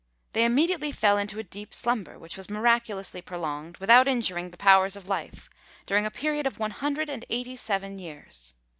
They immediately fell into a deep slumber, which was miraculously prolonged, without injuring the powers of life, during a period of one hundred and eighty seven years.